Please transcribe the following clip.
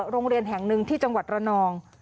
โรงเรียนแห่งหนึ่งที่จังหวัดระนอง